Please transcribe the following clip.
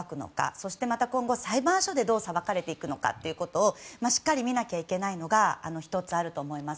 そして今後、裁判所でどうさばかれていくのかということをしっかり見なきゃいけないのが１つあると思います。